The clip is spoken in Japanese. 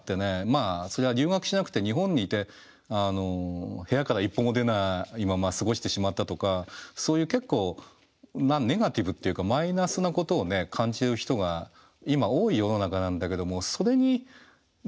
まあそりゃ留学しなくて日本にいて部屋から一歩も出ないまま過ごしてしまったとかそういう結構ネガティブっていうかマイナスなことを感じる人が今多い世の中なんだけどもそれに何か負けちゃつまんないもんね。